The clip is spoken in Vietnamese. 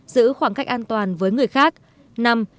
bốn giữ khoảng cách an toàn với người khác